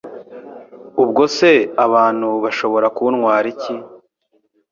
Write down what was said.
ubwo se abantu bashobora kuntwara iki?